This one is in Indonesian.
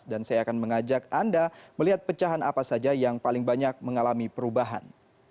dan saya akan mengajak anda melihat pecahan apa saja yang paling banyak mengalami perubahan